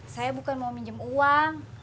saya bukan mau minjem uang